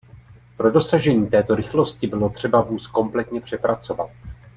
Pro dosažení této rychlosti bylo třeba vůz kompletně přepracovat.